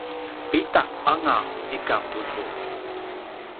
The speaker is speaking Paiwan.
pida anga zikang tucu?